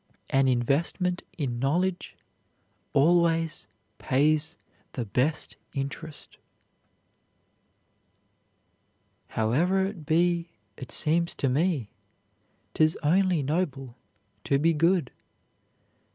An investment in knowledge always pays the best interest." Howe'er it be, it seems to me, 'Tis only noble to be good.